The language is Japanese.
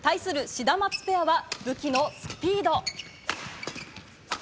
シダマツペアは武器のスピード。